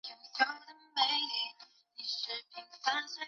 安陆话是黄孝片方言在安陆的子方言。